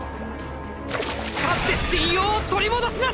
勝って信用を取り戻しなさい！！